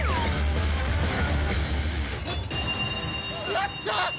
やった！